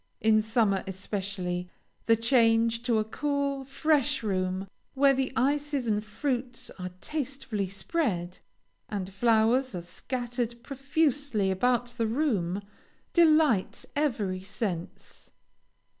In summer especially, the change to a cool, fresh room, where the ices and fruits are tastefully spread, and flowers are scattered profusely about the room, delights every sense.